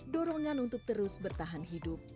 dorongan untuk terus bertahan hidup